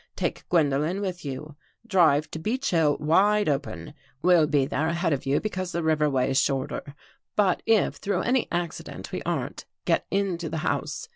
Take Gwendolen with you. Drive to Beech Hill, wide open. We'll be there ahead of you because the river way's shorter. But if, through any accident we aren't, get into the house.